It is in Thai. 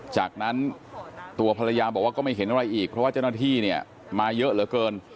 จากนั้นตัวภรรยาบอกว่าก็ไม่เห็นอะไรอีกเพราะว่าเจ้าหน้าที่เนี่ยมาเยอะเหลือเกิน